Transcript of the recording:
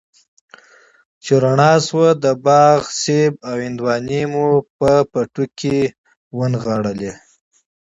چې رڼا شوه نو د باغ مڼې او هندواڼې مو څادر کي را ونغاړلې